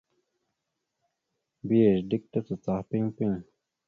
Mbiyez dik tacacaha piŋ piŋ.